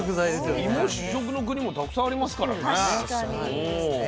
いも主食の国もたくさんありますからね。